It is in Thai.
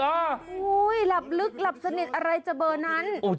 โอ้โหหลับลึกหลับสนิทอะไรจะเบอร์นั้น